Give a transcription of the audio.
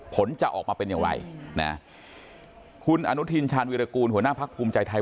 ผลจะออกมาเป็นอย่างไรนะคุณอนุทินชาญวิรากูลหัวหน้าพักภูมิใจไทย